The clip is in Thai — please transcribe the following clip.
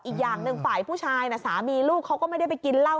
อีกอย่างหนึ่งฝ่ายผู้ชายน่ะสามีลูกเขาก็ไม่ได้ไปกินเหล้า